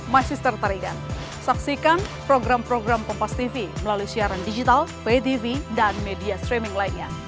my sister tarigan saksikan program program kompastv melalui siaran digital btv dan media streaming lainnya